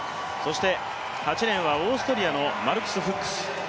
８レーンはオーストリアのマルクス・フックス。